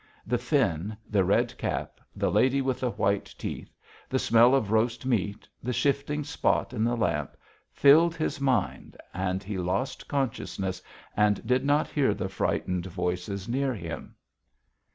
The Finn, the red cap, the lady with the white teeth, the smell of roast meat, the shifting spot in the lamp, filled his mind and he lost consciousness and did not hear the frightened voices near him.